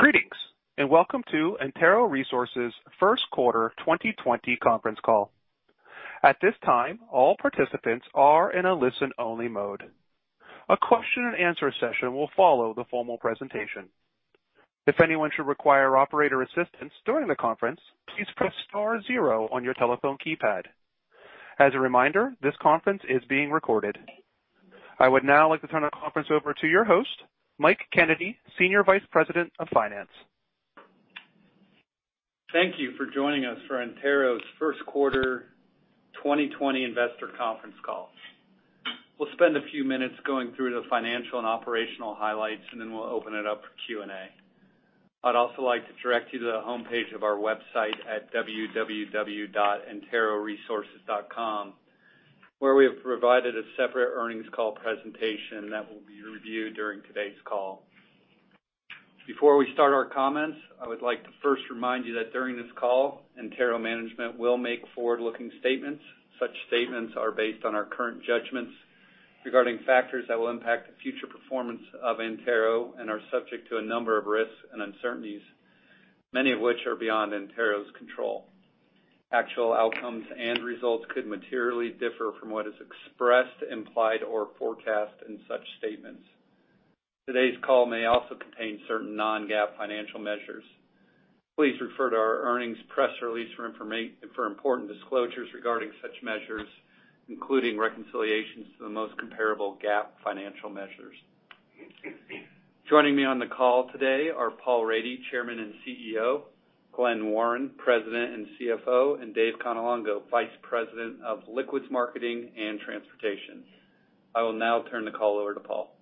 Greetings, and welcome to Antero Resources' First Quarter 2020 Conference Call. At this time, all participants are in a listen-only mode. A question and answer session will follow the formal presentation. If anyone should require operator assistance during the conference, please press star zero on your telephone keypad. As a reminder, this conference is being recorded. I would now like to turn the conference over to your host, Michael Kennedy, Senior Vice President of Finance. Thank you for joining us for Antero's First Quarter 2020 Investor Conference Call. We'll spend a few minutes going through the financial and operational highlights, and then we'll open it up for Q&A. I'd also like to direct you to the homepage of our website at www.anteroresources.com, where we have provided a separate earnings call presentation that will be reviewed during today's call. Before we start our comments, I would like to first remind you that during this call, Antero management will make forward-looking statements. Such statements are based on our current judgments regarding factors that will impact the future performance of Antero, and are subject to a number of risks and uncertainties, many of which are beyond Antero's control. Actual outcomes and results could materially differ from what is expressed, implied, or forecast in such statements. Today's call may also contain certain non-GAAP financial measures. Please refer to our earnings press release for important disclosures regarding such measures, including reconciliations to the most comparable GAAP financial measures. Joining me on the call today are Paul Rady, Chairman and CEO, Glen Warren, President and CFO, and Dave Cannelongo, Vice President of Liquids Marketing and Transportation. I will now turn the call over to Paul.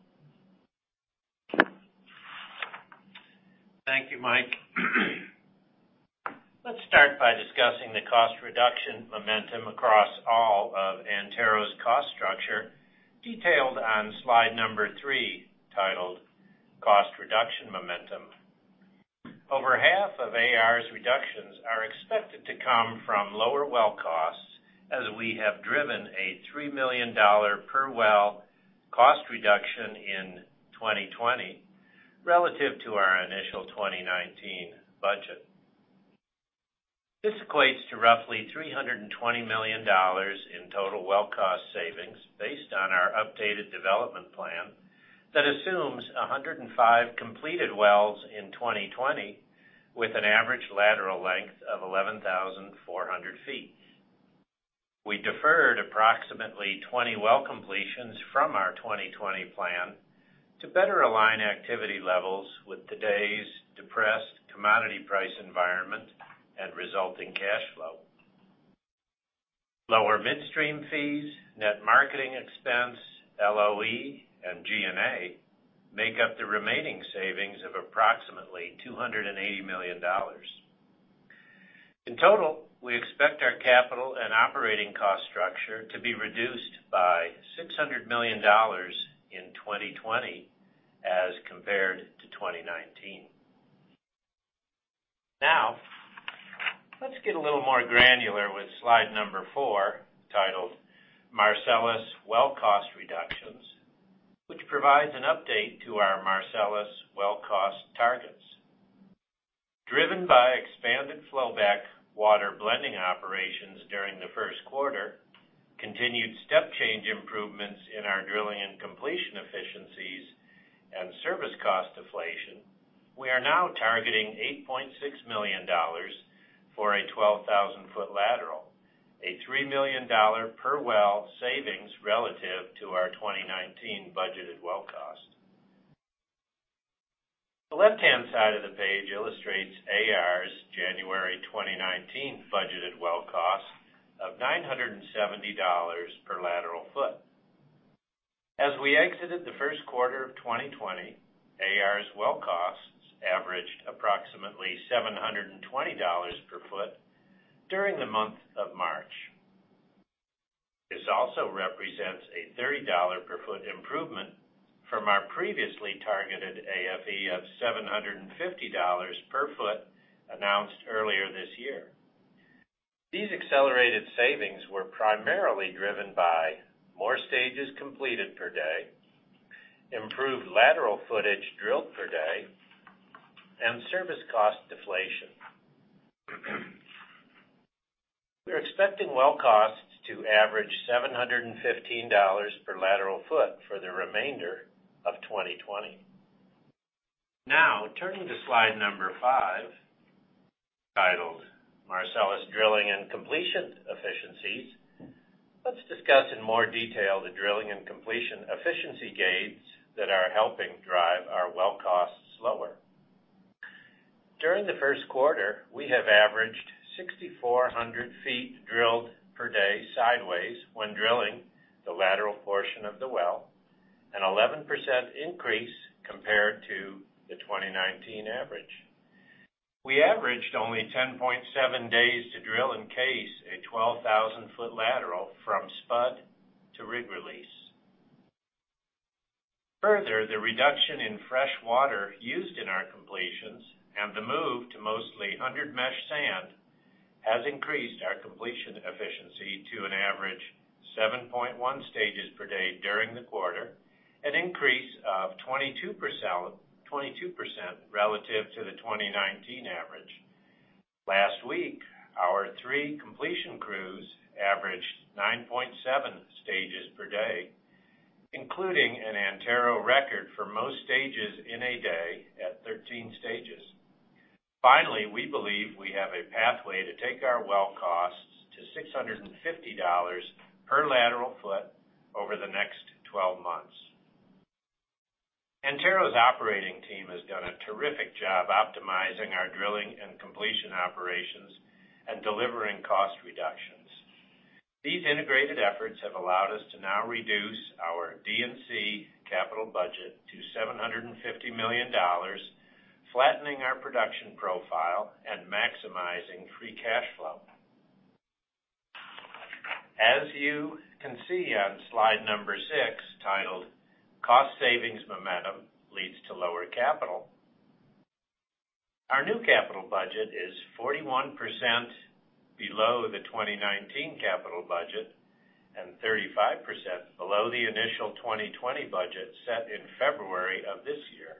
Thank you, Mike. Let's start by discussing the cost reduction momentum across all of Antero's cost structure, detailed on slide number three, titled "Cost Reduction Momentum." Over half of AR's reductions are expected to come from lower well costs, as we have driven a $3 million per well cost reduction in 2020 relative to our initial 2019 budget. This equates to roughly $320 million in total well cost savings, based on our updated development plan that assumes 105 completed wells in 2020, with an average lateral length of 11,400 feet. We deferred approximately 20 well completions from our 2020 plan to better align activity levels with today's depressed commodity price environment and resulting cash flow. Lower midstream fees, net marketing expense, LOE, and G&A make up the remaining savings of approximately $280 million. In total, we expect our capital and operating cost structure to be reduced by $600 million in 2020 as compared to 2019. Let's get a little more granular with slide number four, titled "Marcellus Well Cost Reductions," which provides an update to our Marcellus well cost targets. Driven by expanded flow back water blending operations during the first quarter, continued step change improvements in our drilling and completion efficiencies, and service cost deflation, we are now targeting $8.6 million for a 12,000-foot lateral, a $3 million per well savings relative to our 2019 budgeted well cost. The left-hand side of the page illustrates AR's January 2019 budgeted well cost of $970 per lateral foot. As we exited the first quarter of 2020, AR's well costs averaged approximately $720 per foot during the month of March. This also represents a $30 per foot improvement from our previously targeted AFE of $750 per foot announced earlier this year. These accelerated savings were primarily driven by more stages completed per day, improved lateral footage drilled per day, and service cost deflation. We are expecting well costs to average $715 per lateral foot for the remainder of 2020. Turning to slide number five, titled "Marcellus Drilling and Completion Efficiencies," let's discuss in more detail the drilling and completion efficiency gains that are helping drive our well costs lower. During the first quarter, we have averaged 6,400 feet drilled per day sideways when drilling the lateral portion of the well, an 11% increase compared to the 2019 average. We averaged only 10.7 days to drill and case a 12,000 foot lateral from spud to rig release. Further, the reduction in fresh water used in our completions and the move to mostly 100 mesh sand has increased our completion efficiency to an average 7.1 stages per day during the quarter, an increase of 22% relative to the 2019 average. Last week, our three completion crews averaged 9.7 stages per day, including an Antero record for most stages in a day at 13 stages. Finally, we believe we have a pathway to take our well costs to $650 per lateral foot over the next 12 months. Antero's operating team has done a terrific job optimizing our drilling and completion operations and delivering cost reductions. These integrated efforts have allowed us to now reduce our D&C capital budget to $750 million, flattening our production profile and maximizing free cash flow. As you can see on slide number six, titled Cost Savings Momentum Leads to Lower Capital, our new capital budget is 41% below the 2019 capital budget and 35% below the initial 2020 budget set in February of this year.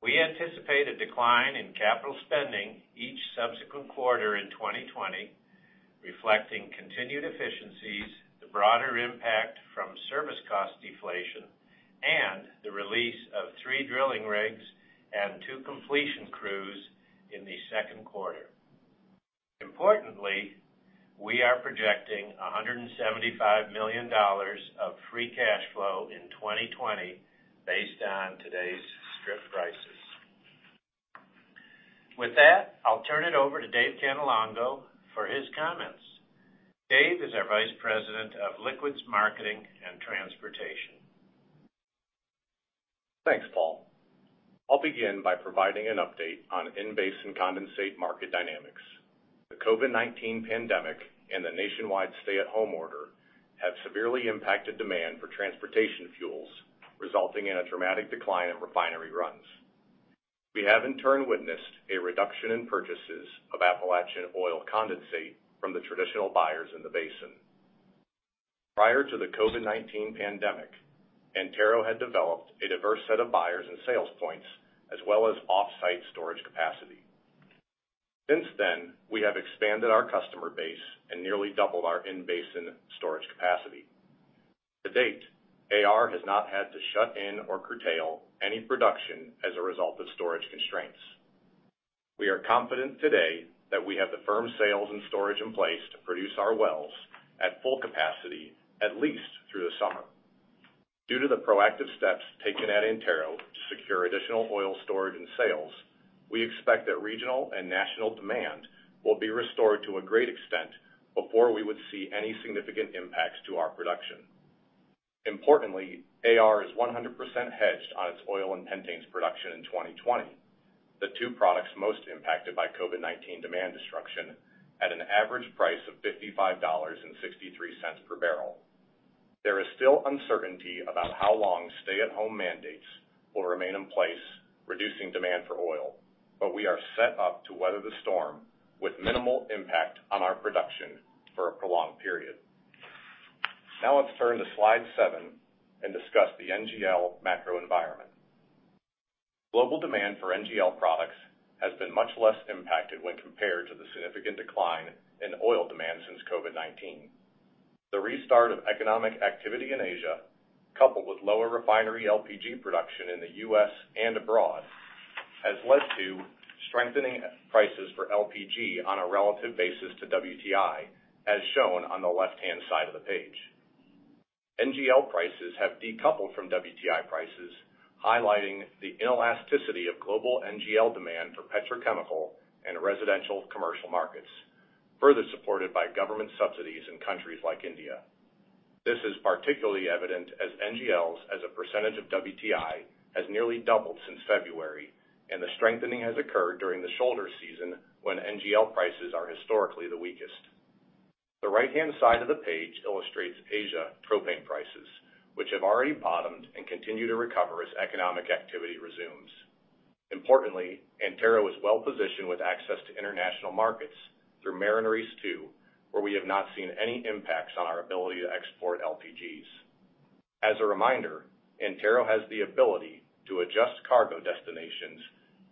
We anticipate a decline in capital spending each subsequent quarter in 2020, reflecting continued efficiencies, the broader impact from service cost deflation, and the release of three drilling rigs and two completion crews in the second quarter. Importantly, we are projecting $175 million of free cash flow in 2020 based on today's strip prices. With that, I'll turn it over to Dave Cannelongo for his comments. Dave is our Vice President of Liquids Marketing and Transportation. Thanks, Paul. I'll begin by providing an update on in-basin condensate market dynamics. The COVID-19 pandemic and the nationwide stay-at-home order have severely impacted demand for transportation fuels, resulting in a dramatic decline in refinery runs. We have in turn witnessed a reduction in purchases of Appalachian oil condensate from the traditional buyers in the basin. Prior to the COVID-19 pandemic, Antero had developed a diverse set of buyers and sales points, as well as offsite storage capacity. Since then, we have expanded our customer base and nearly doubled our in-basin storage capacity. To date, AR has not had to shut in or curtail any production as a result of storage constraints. We are confident today that we have the firm sales and storage in place to produce our wells at full capacity, at least through the summer. Due to the proactive steps taken at Antero to secure additional oil storage and sales, we expect that regional and national demand will be restored to a great extent before we would see any significant impacts to our production. Importantly, AR is 100% hedged on its oil and pentanes production in 2020, the two products most impacted by COVID-19 demand destruction at an average price of $55.63 per barrel. There is still uncertainty about how long stay-at-home mandates will remain in place, reducing demand for oil. We are set up to weather the storm with minimal impact on our production for a prolonged period. Now let's turn to slide seven and discuss the NGL macro environment. Global demand for NGL products has been much less impacted when compared to the significant decline in oil demand since COVID-19. The restart of economic activity in Asia, coupled with lower refinery LPG production in the U.S. and abroad, has led to strengthening prices for LPG on a relative basis to WTI, as shown on the left-hand side of the page. NGL prices have decoupled from WTI prices, highlighting the inelasticity of global NGL demand for petrochemical and residential commercial markets, further supported by government subsidies in countries like India. This is particularly evident as NGLs as a % of WTI has nearly doubled since February, and the strengthening has occurred during the shoulder season when NGL prices are historically the weakest. The right-hand side of the page illustrates Asia propane prices, which have already bottomed and continue to recover as economic activity resumes. Importantly, Antero is well-positioned with access to international markets through Mariner East 2, where we have not seen any impacts on our ability to export LPGs. As a reminder, Antero has the ability to adjust cargo destinations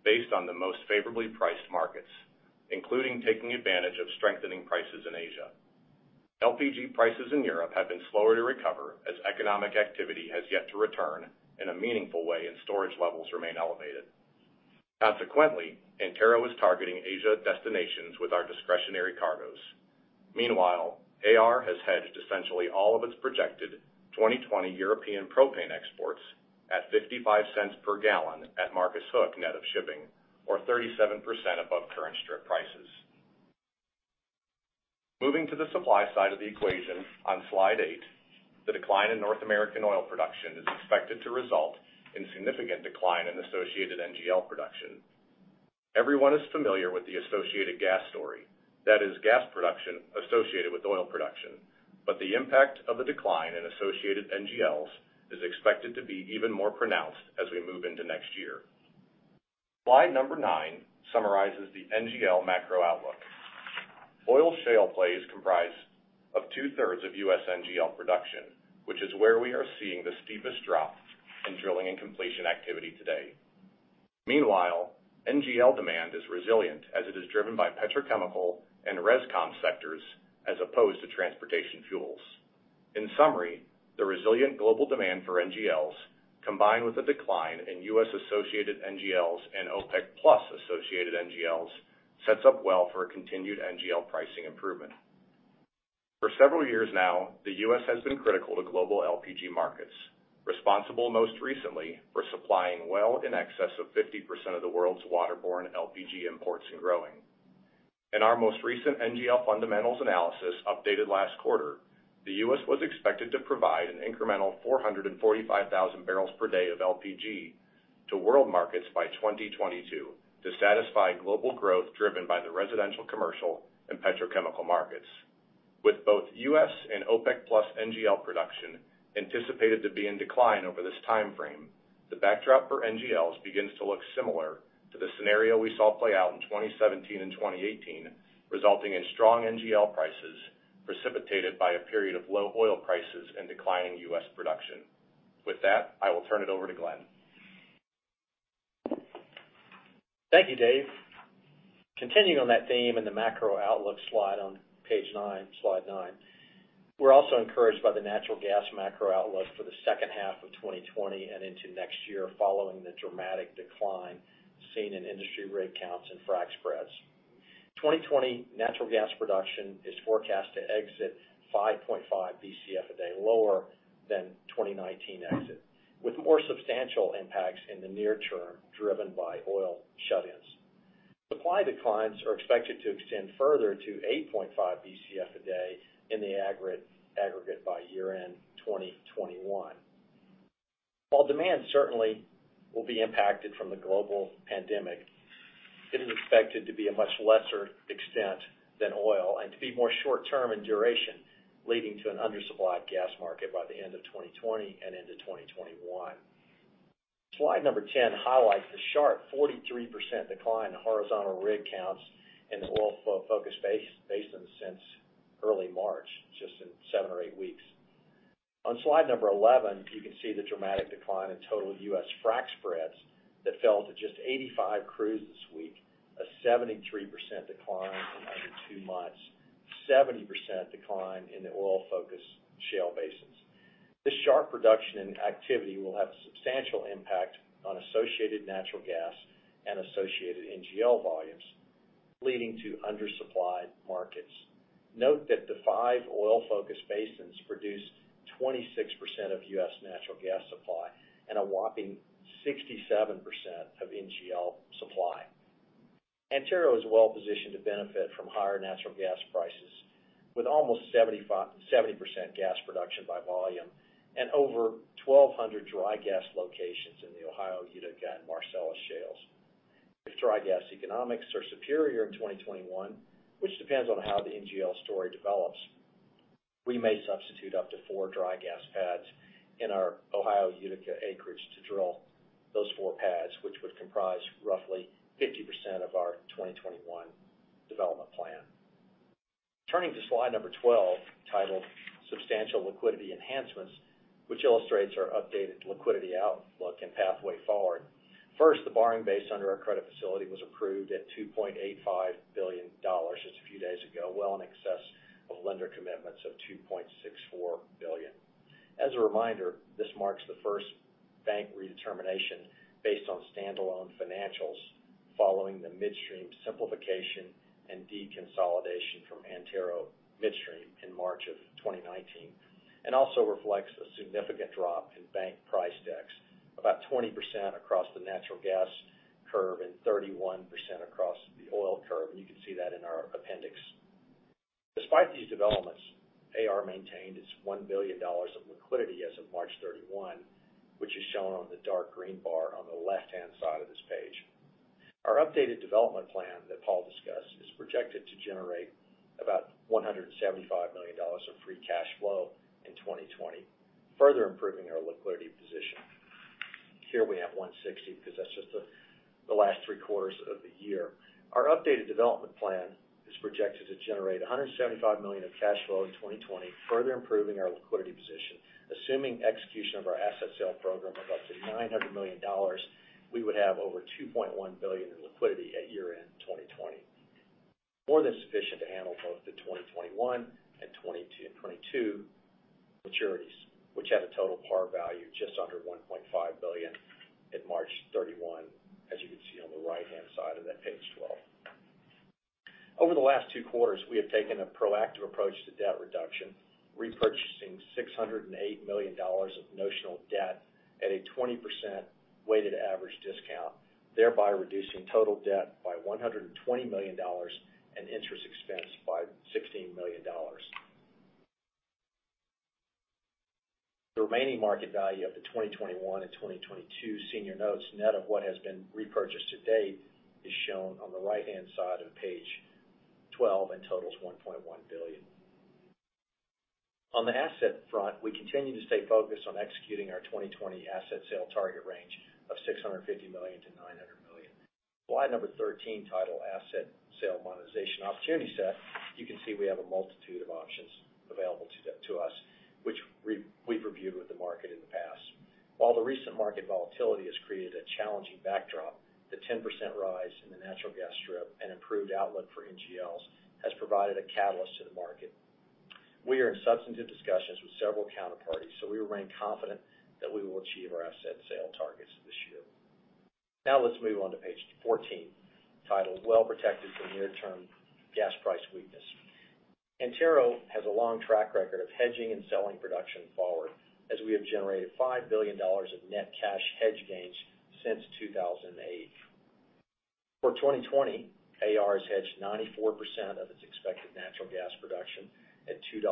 based on the most favorably priced markets, including taking advantage of strengthening prices in Asia. LPG prices in Europe have been slower to recover as economic activity has yet to return in a meaningful way and storage levels remain elevated. Consequently, Antero is targeting Asia destinations with our discretionary cargoes. Meanwhile, AR has hedged essentially all of its projected 2020 European propane exports at $0.55 per gallon at Marcus Hook net of shipping, or 37% above current strip prices. Moving to the supply side of the equation on slide eight, the decline in North American oil production is expected to result in a significant decline in associated NGL production. Everyone is familiar with the associated gas story. That is gas production associated with oil production. The impact of the decline in associated NGLs is expected to be even more pronounced as we move into next year. Slide number nine summarizes the NGL macro outlook. Oil shale plays comprise of two-thirds of U.S. NGL production, which is where we are seeing the steepest drop in drilling and completion activity today. Meanwhile, NGL demand is resilient as it is driven by petrochemical and ResCom sectors as opposed to transportation fuels. In summary, the resilient global demand for NGLs, combined with a decline in U.S. associated NGLs and OPEC+ associated NGLs, sets up well for a continued NGL pricing improvement. For several years now, the U.S. has been critical to global LPG markets, responsible most recently for supplying well in excess of 50% of the world's waterborne LPG imports and growing. In our most recent NGL fundamentals analysis updated last quarter, the U.S. was expected to provide an incremental 445,000 barrels per day of LPG to world markets by 2022 to satisfy global growth driven by the residential, commercial, and petrochemical markets. With both U.S. and OPEC+ NGL production anticipated to be in decline over this timeframe, the backdrop for NGLs begins to look similar to the scenario we saw play out in 2017 and 2018, resulting in strong NGL prices precipitated by a period of low oil prices and declining U.S. production. With that, I will turn it over to Glen. Thank you, Dave. Continuing on that theme in the macro outlook slide on page nine, slide nine, we're also encouraged by the natural gas macro outlook for the second half of 2020 and into next year, following the dramatic decline seen in industry rig counts and frack spreads. 2020 natural gas production is forecast to exit 5.5 BCF a day lower than 2019 exit, with more substantial impacts in the near term, driven by oil shut-ins. Supply declines are expected to extend further to 8.5 BCF a day in the aggregate by year-end 2021. While demand certainly will be impacted from the global pandemic, it is expected to be a much lesser extent than oil and to be more short-term in duration, leading to an undersupplied gas market by the end of 2020 and into 2021. Slide number 10 highlights the sharp 43% decline in horizontal rig counts in the oil-focused basins since early March, just in seven or eight weeks. On slide number 11, you can see the dramatic decline in total U.S. frack spreads that fell to just 85 crews this week. A 73% decline in under two months, 70% decline in the oil-focused shale basins. This sharp reduction in activity will have a substantial impact on associated natural gas and associated NGL volumes, leading to undersupplied markets. Note that the five oil-focused basins produce 26% of U.S. natural gas supply and a whopping 67% of NGL supply. Antero is well-positioned to benefit from higher natural gas prices, with almost 70% gas production by volume and over 1,200 dry gas locations in the Ohio, Utica, and Marcellus shales. If dry gas economics are superior in 2021, which depends on how the NGL story develops, we may substitute up to four dry gas pads in our Ohio Utica acreage to drill those four pads, which would comprise roughly 50% of our 2021 development plan. Turning to slide number 12, titled Substantial Liquidity Enhancements, which illustrates our updated liquidity outlook and pathway forward. First, the borrowing base under our credit facility was approved at $2.85 billion just a few days ago, well in excess of lender commitments of $2.64 billion. As a reminder, this marks the first bank redetermination based on standalone financials following the midstream simplification and deconsolidation from Antero Midstream in March of 2019, and also reflects a significant drop in bank price decks, about 20% across the natural gas curve and 31% across the oil curve, and you can see that in our appendix. Despite these developments, AR maintained its $1 billion of liquidity as of March 31, which is shown on the dark green bar on the left-hand side of this page. Our updated development plan that Paul discussed is projected to generate about $175 million of free cash flow in 2020, further improving our liquidity position. Here we have 160 because that's just the last three quarters of the year. Our updated development plan is projected to generate $175 million of cash flow in 2020, further improving our liquidity position. Assuming execution of our asset sale program of up to $900 million, we would have over $2.1 billion in liquidity at year-end 2020. More than sufficient to handle both the 2021 and 2022 maturities, which had a total par value just under $1.5 billion at March 31, as you can see on the right-hand side of that page 12. Over the last two quarters, we have taken a proactive approach to debt reduction, repurchasing $608 million of notional debt at a 20% weighted average discount, thereby reducing total debt by $120 million and interest expense by $16 million. The remaining market value of the 2021 and 2022 senior notes, net of what has been repurchased to date, is shown on the right-hand side of page 12 and totals $1.1 billion. On the asset front, we continue to stay focused on executing our 2020 asset sale target range of $650 million-$900 million. Slide number 13, titled "Asset Sale Monetization Opportunity Set," you can see we have a multitude of options available to us, which we've reviewed with the market in the past. While the recent market volatility has created a challenging backdrop, the 10% rise in the natural gas strip and improved outlook for NGLs has provided a catalyst to the market. We are in substantive discussions with several counterparties, so we remain confident that we will achieve our asset sale targets this year. Let's move on to page 14, titled "Well Protected from Near-Term Gas Price Weakness." Antero has a long track record of hedging and selling production forward, as we have generated $5 billion of net cash hedge gains since 2008. For 2020, AR has hedged 94% of its expected natural gas production at $2.87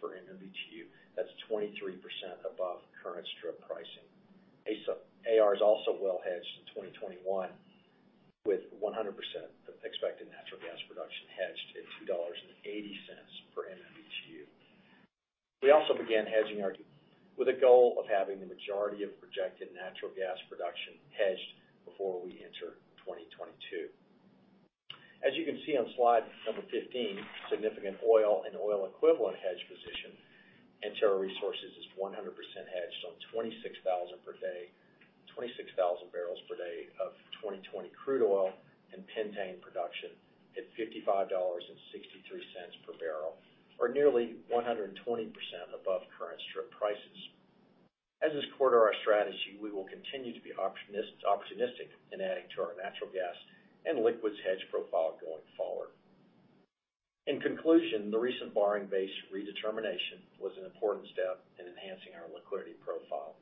per MMBtu. That's 23% above current strip pricing. AR is also well hedged in 2021, with 100% of expected natural gas production hedged at $2.80 per MMBtu. We also began hedging with a goal of having the majority of projected natural gas production hedged before we enter 2022. As you can see on slide number 15, significant oil and oil equivalent hedge position. Antero Resources is 100% hedged on 26,000 barrels per day of 2020 crude oil and pentane production at $55.63 per barrel, or nearly 120% above current strip prices. As is core to our strategy, we will continue to be opportunistic in adding to our natural gas and liquids hedge profile going forward. In conclusion, the recent borrowing base redetermination was an important step in enhancing our liquidity profile.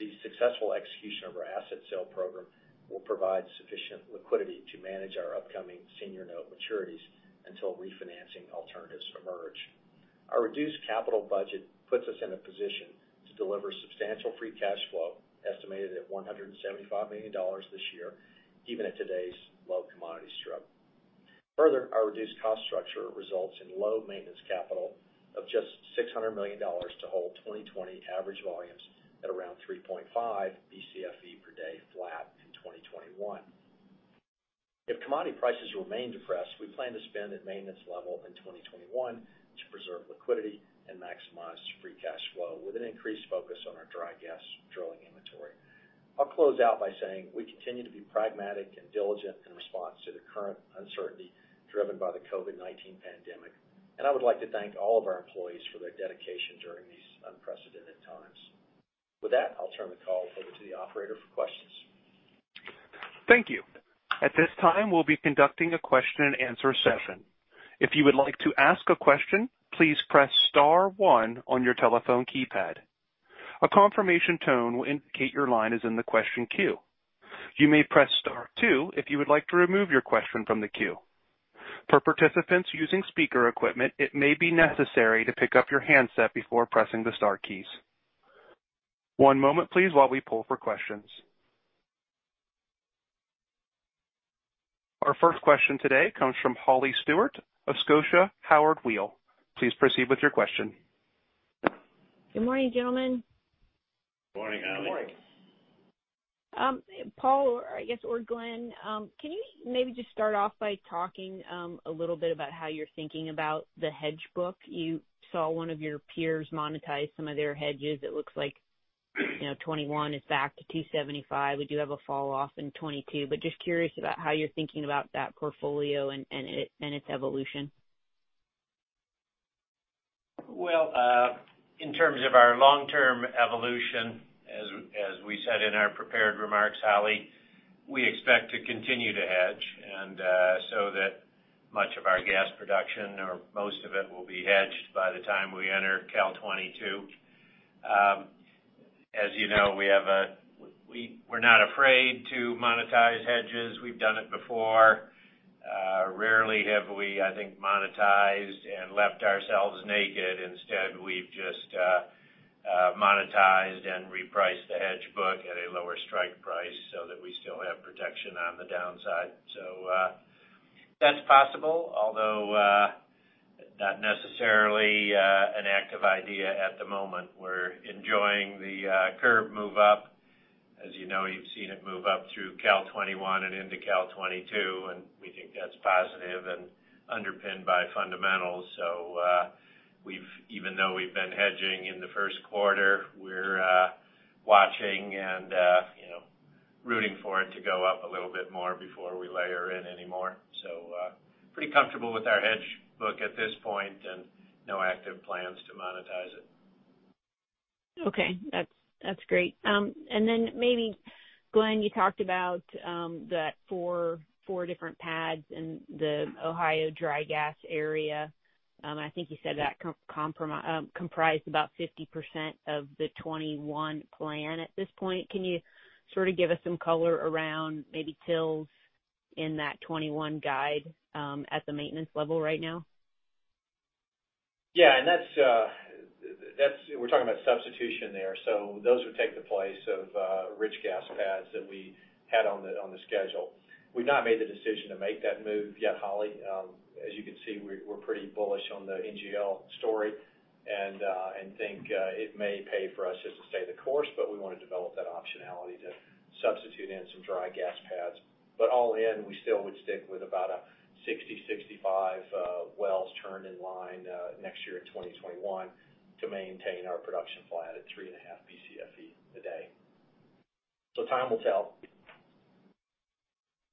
The successful execution of our asset sale program will provide sufficient liquidity to manage our upcoming senior note maturities until refinancing alternatives emerge. Our reduced capital budget puts us in a position to deliver substantial free cash flow, estimated at $175 million this year, even at today's low commodity strip. Further, our reduced cost structure results in low maintenance capital of just $600 million to hold 2020 average volumes at around 3.5 Bcfe per day flat in 2021. If commodity prices remain depressed, we plan to spend at maintenance level in 2021 to preserve liquidity and maximize free cash flow with an increased focus on our dry gas drilling inventory. I'll close out by saying we continue to be pragmatic and diligent in response to the current uncertainty driven by the COVID-19 pandemic, and I would like to thank all of our employees for their dedication during these unprecedented times. With that, I'll turn the call over to the operator for questions. Thank you. At this time, we'll be conducting a question and answer session. If you would like to ask a question, please press star one on your telephone keypad. A confirmation tone will indicate your line is in the question queue. You may press star two if you would like to remove your question from the queue. For participants using speaker equipment, it may be necessary to pick up your handset before pressing the star keys. One moment please while we pull for questions. Our first question today comes from Holly Stewart of Scotia Howard Weil. Please proceed with your question. Good morning, gentlemen. Good morning, Holly. Good morning. Paul, I guess, or Glen, can you maybe just start off by talking a little bit about how you're thinking about the hedge book? You saw one of your peers monetize some of their hedges. It looks like '21 is back to $2.75. We do have a fall off in '22, but just curious about how you're thinking about that portfolio and its evolution. Well, in terms of our long-term evolution, as we said in our prepared remarks, Holly, we expect to continue to hedge, and so that much of our gas production, or most of it, will be hedged by the time we enter Cal-22. As you know, we're not afraid to monetize hedges. We've done it before. Rarely have we, I think, monetized and left ourselves naked. Instead, we've just monetized and repriced the hedge book at a lower strike price so that we still have protection on the downside. That's possible, although not necessarily an active idea at the moment. We're enjoying the curve move up. As you know, you've seen it move up through Cal-21 and into Cal-22, and we think that's positive and underpinned by fundamentals. Even though we've been hedging in the first quarter, we're watching and rooting for it to go up a little bit more before we layer in any more. Pretty comfortable with our hedge book at this point, and no active plans to monetize it. Okay. That's great. Maybe, Glen, you talked about the four different pads in the Ohio dry gas area. I think you said that comprised about 50% of the 2021 plan. At this point, can you sort of give us some color around maybe details in that 2021 guide at the maintenance level right now? Yeah. We're talking about substitution there. Those would take the place of rich gas pads that we had on the schedule. We've not made the decision to make that move yet, Holly. As you can see, we're pretty bullish on the NGL story and think it may pay for us just to stay the course, but we want to develop that optionality to substitute in some dry gas pads. All in, we still would stick with about a 60-65 wells turn in line next year in 2021 to maintain our production flat at 3.5 Bcfe a day. Time will tell.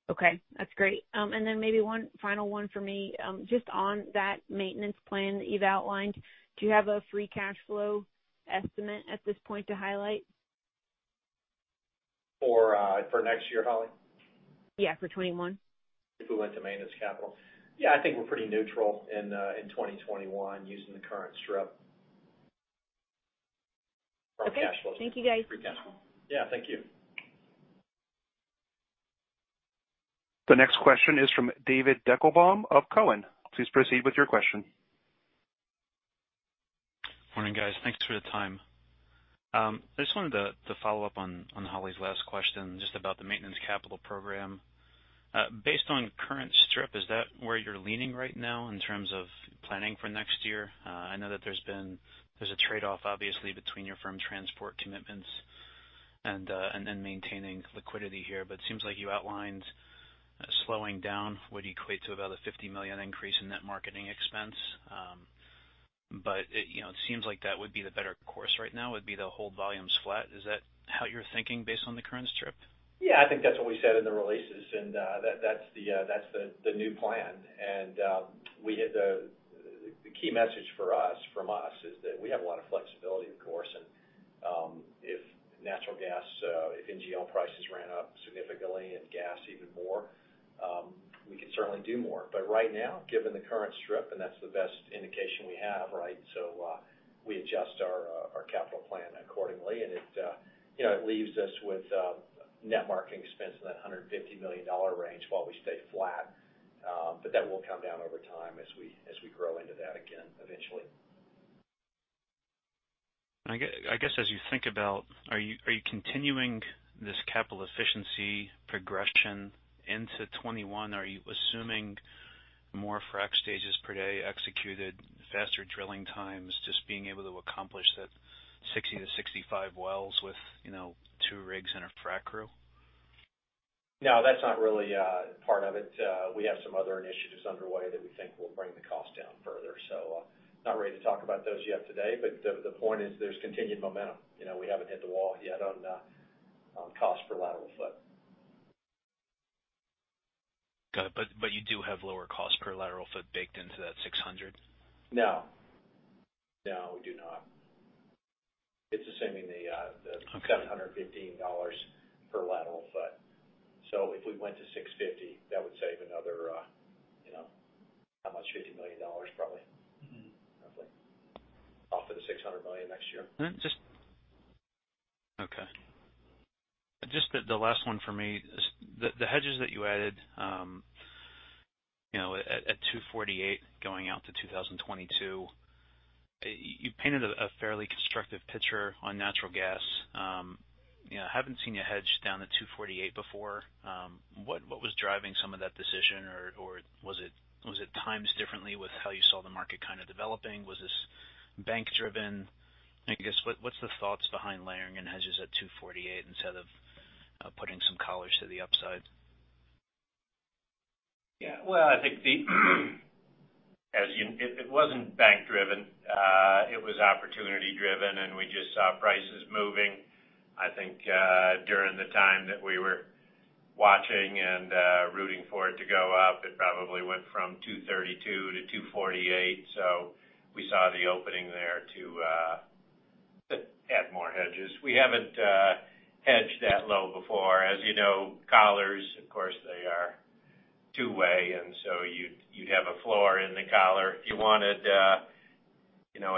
Okay, that's great. Then maybe one final one for me. Just on that maintenance plan that you've outlined, do you have a free cash flow estimate at this point to highlight? For next year, Holly? Yeah, for 2021. If we went to maintenance capital, yeah, I think we're pretty neutral in 2021 using the current strip from cash flow. Okay. Thank you, guys. Free cash flow. Yeah. Thank you. The next question is from David Deckelbaum of Cowen. Please proceed with your question. Morning, guys. Thanks for the time. I just wanted to follow up on Holly's last question, just about the maintenance capital program. Based on current strip, is that where you're leaning right now in terms of planning for next year? I know that there's a trade-off, obviously, between your firm transport commitments and then maintaining liquidity here, it seems like you outlined slowing down would equate to about a $50 million increase in net marketing expense. It seems like that would be the better course right now, would be to hold volumes flat. Is that how you're thinking based on the current strip? Yeah, I think that's what we said in the releases, that's the new plan. The key message from us is that we have a lot of flexibility, of course. If natural gas, if NGL prices ran up significantly and gas even more, we could certainly do more. Right now, given the current strip, that's the best indication we have, right? We adjust our capital plan accordingly, it leaves us with net marketing expense in that $150 million range while we stay flat. That will come down over time as we grow into that again, eventually. I guess, as you think about, are you continuing this capital efficiency progression into 2021? Are you assuming more frack stages per day executed, faster drilling times, just being able to accomplish that 60-65 wells with two rigs and a frack crew? No, that's not really part of it. We have some other initiatives underway that we think will bring the cost down further. Not ready to talk about those yet today, but the point is there's continued momentum. We haven't hit the wall yet on cost per lateral foot. Got it. You do have lower cost per lateral foot baked into that 600? No. No, we do not. Okay $715 per lateral foot. If we went to 650, that would save another, how much? $50 million probably. Roughly. Off of the $600 million next year. Okay. Just the last one for me. The hedges that you added at 248 going out to 2022, you painted a fairly constructive picture on natural gas. I haven't seen you hedge down to 248 before. What was driving some of that decision, or was it timed differently with how you saw the market kind of developing? Was this bank-driven? I guess, what's the thoughts behind layering in hedges at 248 instead of putting some collars to the upside? Well, I think it wasn't bank-driven. It was opportunity-driven, we just saw prices moving. I think during the time that we were watching and rooting for it to go up, it probably went from $232- $248. We saw the opening there to add more hedges. We haven't hedged that low before. As you know, collars, of course, they are two-way, you'd have a floor in the collar.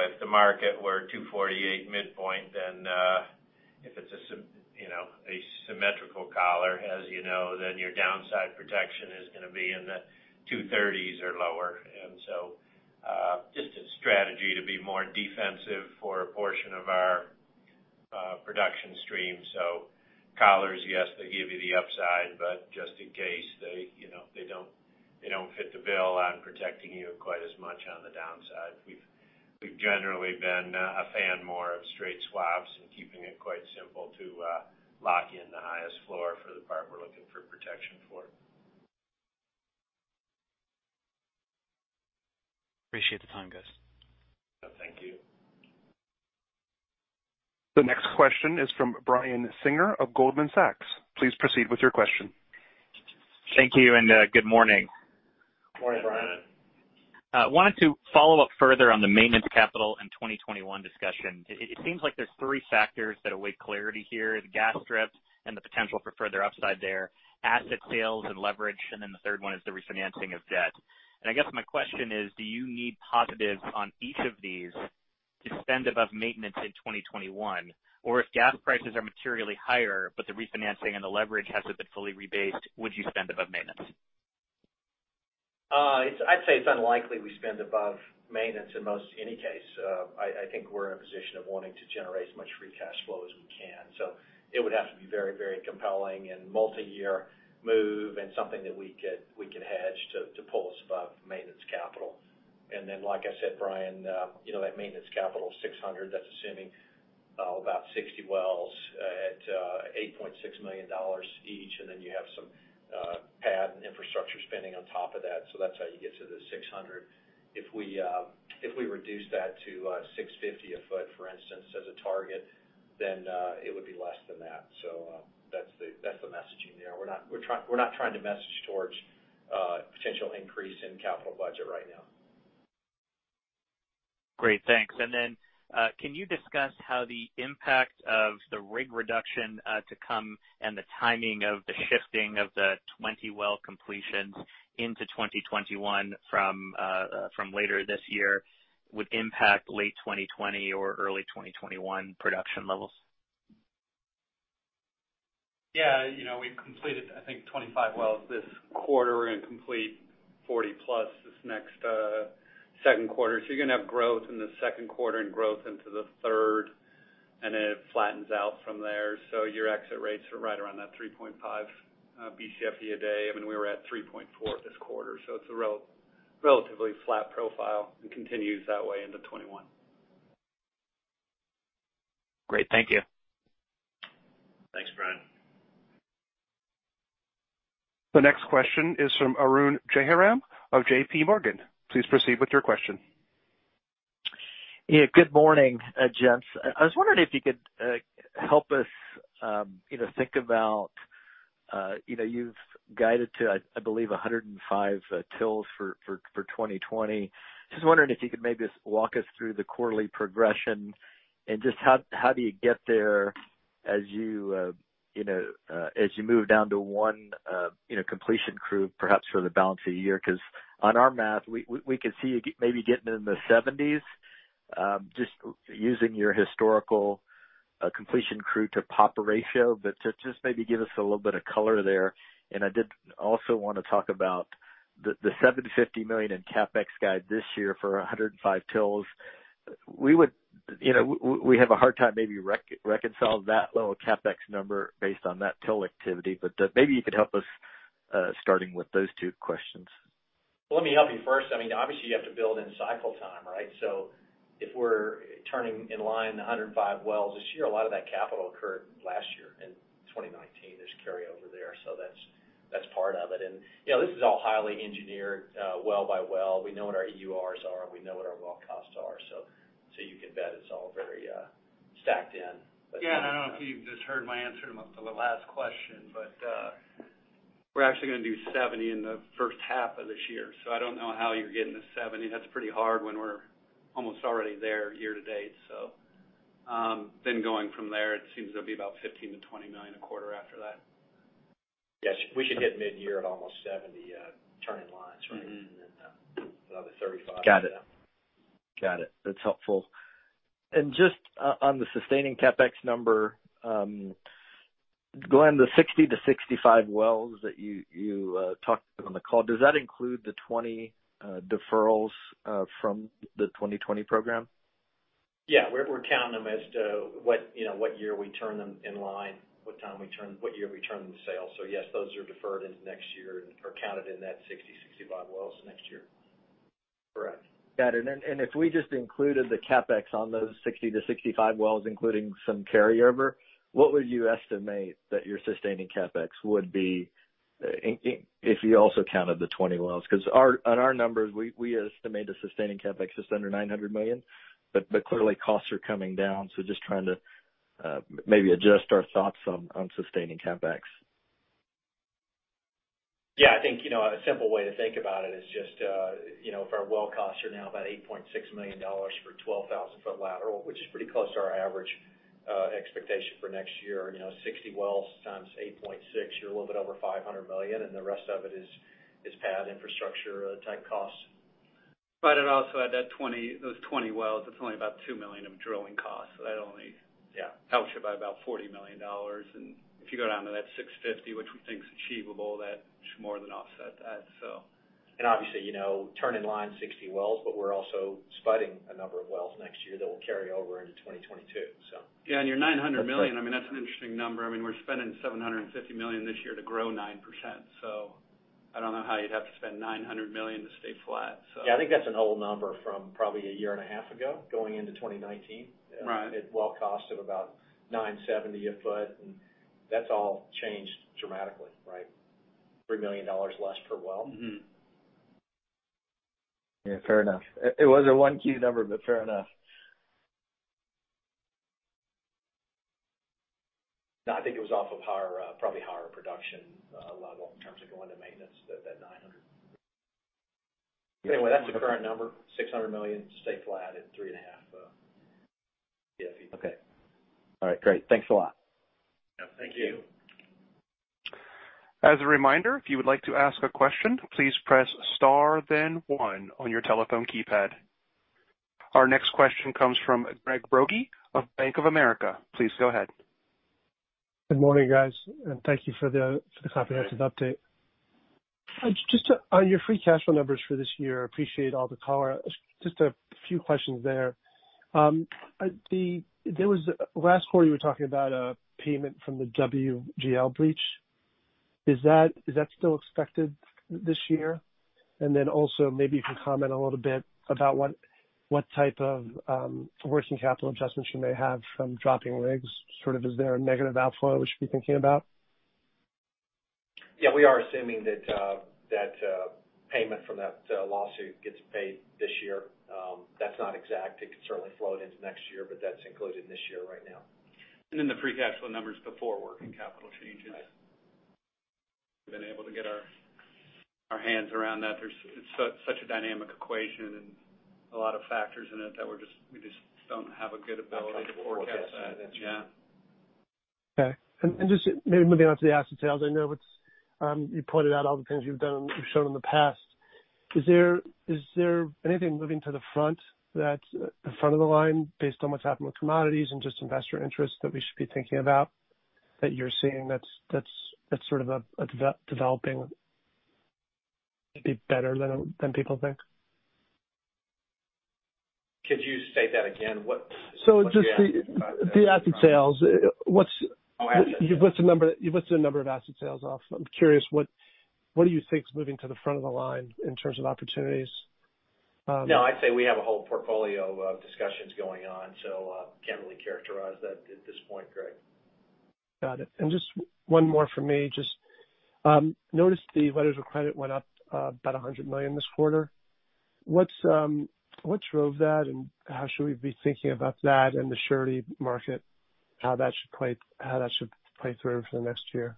If the market were $248 midpoint, if it's a symmetrical collar, as you know, your downside protection is going to be in the $230s or lower. Just a strategy to be more defensive for a portion of our production stream. Collars, yes, they give you the upside, just in case they don't fit the bill on protecting you quite as much on the downside. We've generally been a fan more of straight swaps and keeping it quite simple to lock in the highest floor for the part we're looking for protection for. Appreciate the time, guys. Thank you. The next question is from Brian Singer of Goldman Sachs. Please proceed with your question. Thank you. Good morning. Morning, Brian. Wanted to follow up further on the maintenance capital and 2021 discussion. It seems like there's three factors that await clarity here. The gas strip and the potential for further upside there, asset sales and leverage, and then the third one is the refinancing of debt. I guess my question is, do you need positives on each of these to spend above maintenance in 2021? If gas prices are materially higher, but the refinancing and the leverage hasn't been fully rebased, would you spend above maintenance? I'd say it's unlikely we spend above maintenance in most any case. I think we're in a position of wanting to generate as much free cash flow as we can. It would have to be very compelling and multi-year move and something that we could hedge to pull us above maintenance capital. Then, like I said, Brian, that maintenance capital is $600. That's assuming about 60 wells at $8.6 million each. Then you have some pad and infrastructure spending on top of that. That's how you get to the $600. If we reduce that to $650 a foot, for instance, as a target, then it would be less than that. That's the messaging there. We're not trying to message towards potential increase in capital budget right now. Great. Thanks. Can you discuss how the impact of the rig reduction to come and the timing of the shifting of the 20 well completions into 2021 from later this year would impact late 2020 or early 2021 production levels? Yeah. We've completed, I think, 25 wells this quarter and complete 40-plus this next second quarter. You're going to have growth in the second quarter and growth into the third, and then it flattens out from there. Your exit rates are right around that 3.5 Bcfe a day. I mean, we were at 3.4 this quarter, so it's a relatively flat profile and continues that way into 2021. Great. Thank you. Thanks, Brian. The next question is from Arun Jayaram of JPMorgan. Please proceed with your question. Yeah. Good morning, gents. I was wondering if you could help us think about, you've guided to, I believe, 105 P.O.P.s for 2020. Just wondering if you could maybe just walk us through the quarterly progression and just how do you get there as you move down to one completion crew, perhaps for the balance of the year? On our math, we could see you maybe getting in the 70s, just using your historical completion crew to POP ratio. To just maybe give us a little bit of color there. I did also want to talk about the $750 million in CapEx guide this year for 105 P.O.P.s. We have a hard time maybe reconciling that low a CapEx number based on that P.O.P. activity. Maybe you could help us, starting with those two questions. Let me help you first. Obviously, you have to build in cycle time, right? If we're turning in line 105 wells this year, a lot of that capital occurred last year in 2019. There's carryover there. That's part of it. This is all highly engineered well by well. We know what our EURs are, and we know what our well costs are. You can bet it's all very stacked in. I don't know if you just heard my answer to the last question, but we're actually going to do 70 in the first half of this year. I don't know how you're getting to 70. That's pretty hard when we're almost already there year to date. Going from there, it seems there'll be about $15 million-$20 million a quarter after that. Yes. We should hit mid-year at almost 70 turning lines, right? Another 35. Got it. That's helpful. Just on the sustaining CapEx number, Glen, the 60-65 wells that you talked about on the call, does that include the 20 deferrals from the 2020 program? Yeah. We're counting them as to what year we turn them in line, what year we turn them to sale. Yes, those are deferred into next year or counted in that 60, 65 wells next year. Correct. Got it. If we just included the CapEx on those 60 to 65 wells, including some carryover, what would you estimate that your sustaining CapEx would be if you also counted the 20 wells? On our numbers, we estimate a sustaining CapEx just under $900 million. Clearly costs are coming down, just trying to maybe adjust our thoughts on sustaining CapEx. Yeah. I think, a simple way to think about it is just if our well costs are now about $8.6 million for 12,000-foot lateral, which is pretty close to our average expectation for next year, 60 wells times 8.6, you're a little bit over $500 million, and the rest of it is pad infrastructure type costs. Also add those 20 wells, it's only about $2 million of drilling costs. Yeah Helps you by about $40 million. If you go down to that $650 million, which we think is achievable, that should more than offset that. Obviously, turning line 60 wells, but we're also spudding a number of wells next year that will carry over into 2022. Yeah, your $900 million, that's an interesting number. We're spending $750 million this year to grow 9%. I don't know how you'd have to spend $900 million to stay flat, so. Yeah, I think that's an old number from probably a year and a half ago, going into 2019. Right. At well cost of about $970 a foot, that's all changed dramatically, right? $3 million less per well. Yeah, fair enough. It was a one key number, but fair enough. No, I think it was off of probably higher production level in terms of going to maintenance, that 900. Anyway, that's the current number, $600 million to stay flat at three and a half Bcfe. Okay. All right, great. Thanks a lot. Yeah. Thank you. Thank you. As a reminder, if you would like to ask a question, please press star then one on your telephone keypad. Our next question comes from Gregg Brody of Bank of America. Please go ahead. Good morning, guys, and thank you for the comprehensive update. On your free cash flow numbers for this year, appreciate all the color. Just a few questions there. Last quarter, you were talking about a payment from the WGL breach. Is that still expected this year? Then also, maybe you can comment a little bit about what type of working capital adjustments you may have from dropping rigs. Is there a negative outflow we should be thinking about? Yeah, we are assuming that payment from that lawsuit gets paid this year. That's not exact. It could certainly float into next year, but that's included this year right now. The free cash flow numbers before working capital changes. Right. We've been able to get our hands around that. It's such a dynamic equation and a lot of factors in it that we just don't have a good ability to forecast that. That's right. Yeah. Okay. Just maybe moving on to the asset sales. I know you pointed out all the things you've shown in the past. Is there anything moving to the front of the line based on what's happened with commodities and just investor interest that we should be thinking about, that you're seeing that's developing to be better than people think? Could you state that again? Just the asset sales. Oh, asset sales. You've listed a number of asset sales off. I'm curious, what do you think is moving to the front of the line in terms of opportunities? No, I'd say we have a whole portfolio of discussions going on, so can't really characterize that at this point, Gregg. Got it. Just one more from me. Just noticed the Letters of Credit went up about $100 million this quarter. What drove that, and how should we be thinking about that and the surety market, how that should play through for the next year?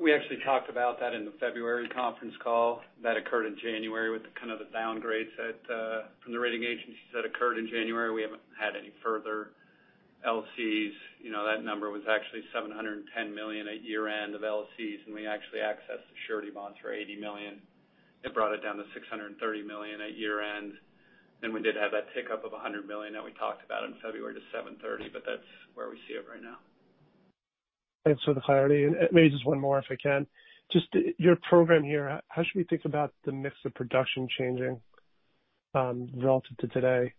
We actually talked about that in the February conference call. That occurred in January with the downgrades from the rating agencies that occurred in January. We haven't had any further LCs. That number was actually $710 million at year-end of LCs, and we actually accessed the surety bonds for $80 million. It brought it down to $630 million at year-end. We did have that pickup of $100 million that we talked about in February to $730 million, but that's where we see it right now. Thanks for the clarity. Maybe just one more, if I can? Your program here, how should we think about the mix of production changing, relative to today,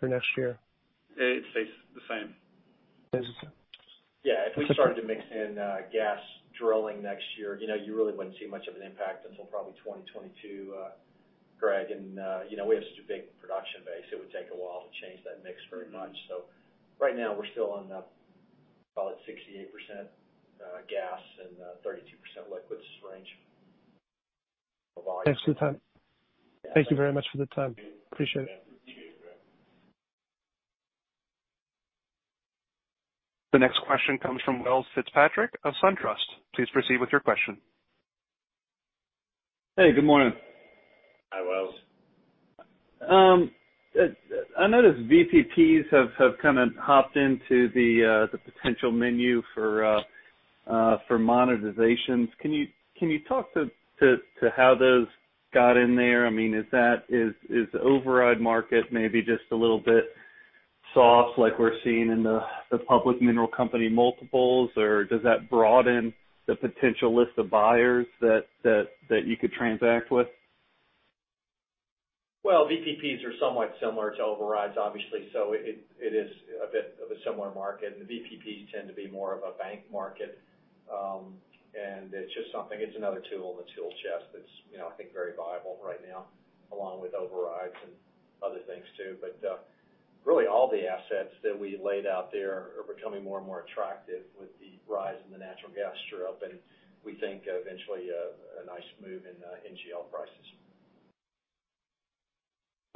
for next year? It stays the same. It does? Okay. Yeah, if we started to mix in gas drilling next year, you really wouldn't see much of an impact until probably 2022, Gregg. We have such a big production base, it would take a while to change that mix very much. Right now we're still in the call it 68% gas and 32% liquids range. Thanks for the time. Thank you very much for the time. Appreciate it. Thank you. See you, Gregg. The next question comes from Welles Fitzpatrick of SunTrust. Please proceed with your question. Hey, good morning. Hi, Welles. I noticed VPPs have kind of hopped into the potential menu for monetizations. Can you talk to how those got in there? I mean, is the override market maybe just a little bit soft like we're seeing in the public mineral company multiples, or does that broaden the potential list of buyers that you could transact with? Well, VPPs are somewhat similar to overrides, obviously. It is a bit of a similar market. VPPs tend to be more of a bank market. It's just something, it's another tool in the tool chest that's I think very viable right now, along with overrides and other things too. Really all the assets that we laid out there are becoming more and more attractive with the rise in the natural gas strip, and we think eventually a nice move in NGL prices.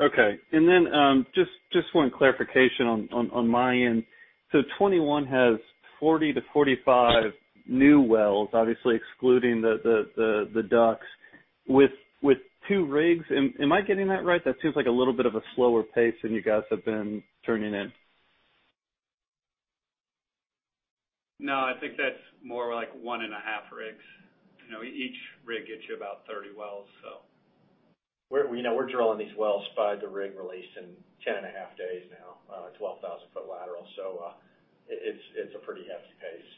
Okay. Just one clarification on my end. 2021 has 40-45 new wells, obviously excluding the DUCs. With two rigs, am I getting that right? That seems like a little bit of a slower pace than you guys have been turning in. No, I think that's more like one and a half rigs. Each rig gets you about 30 wells, so. We're drilling these wells spud to rig release in 10 and a half days now, 12,000-foot lateral. It's a pretty hefty pace.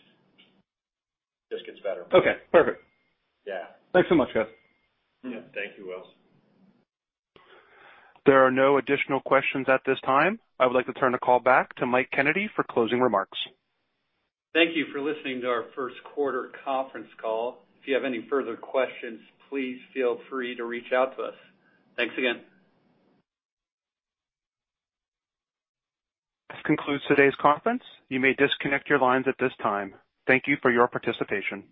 Just gets better. Okay, perfect. Yeah. Thanks so much, guys. Yeah. Thank you, Welles. There are no additional questions at this time. I would like to turn the call back to Michael Kennedy for closing remarks. Thank you for listening to our first quarter conference call. If you have any further questions, please feel free to reach out to us. Thanks again. This concludes today's conference. You may disconnect your lines at this time. Thank you for your participation.